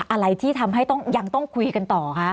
อะไรที่ทำให้ต้องยังต้องคุยกันต่อคะ